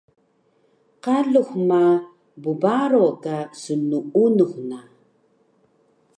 Qalux ma bbaro ka snuunux na